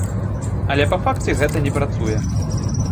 Але па факце гэта не працуе.